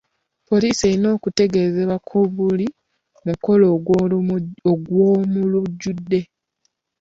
Poliisi erina okutegeezebwa ku buli mukolo ogw'omulujjudde.